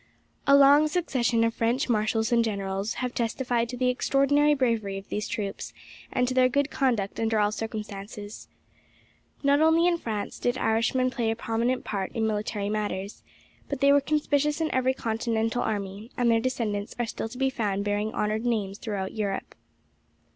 A long succession of French marshals and generals have testified to the extraordinary bravery of these troops, and to their good conduct under all circumstances. Not only in France did Irishmen play a prominent part in military matters, but they were conspicuous in every continental army, and their descendants are still to be found bearing honoured names throughout Europe.